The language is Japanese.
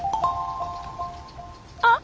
あ！